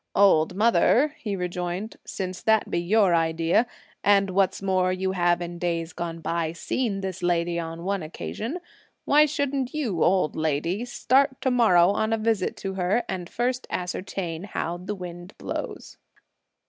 "Old mother," he rejoined; "since that be your idea, and what's more, you have in days gone by seen this lady on one occasion, why shouldn't you, old lady, start to morrow on a visit to her and first ascertain how the wind blows!"